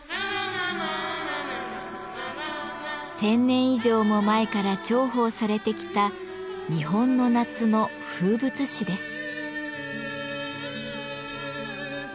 １，０００年以上も前から重宝されてきた日本の夏の風物詩です。